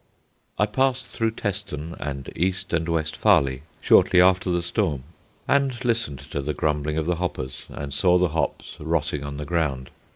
I passed through Teston and East and West Farleigh shortly after the storm, and listened to the grumbling of the hoppers and saw the hops rotting on the ground.